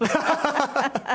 ハハハハ！